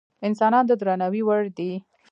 انسانان د درناوي وړ دي.